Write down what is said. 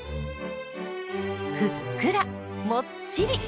ふっくらもっちり！